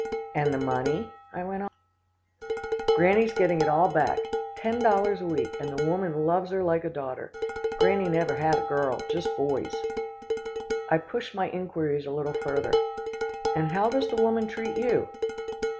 "And the money?" I went on. "Granny's getting it all back ten dollars a week, and the woman loves her like a daughter. Granny never had a girl, just boys." I pushed my inquiries a little further, "And how does the woman treat you?"